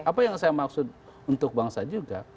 apa yang saya maksud untuk bangsa juga